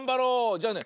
じゃあね